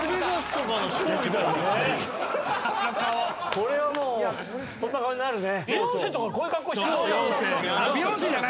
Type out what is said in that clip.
これはもうそんな顔になるね。